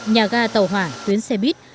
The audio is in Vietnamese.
nhà ga tàu hỏa tuyến xe băng